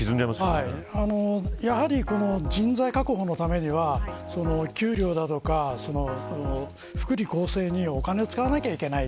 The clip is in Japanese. やはり、人材確保のためには給料や福利厚生にお金を使わなきゃいけない。